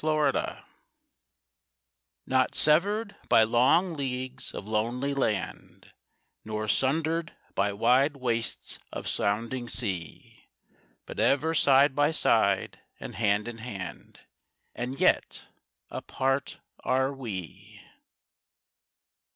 Severance Not severed by long leagues of lonely land, Nor sundered by wide wastes of sounding sea; But ever side by side and hand in hand, And yet apart are we.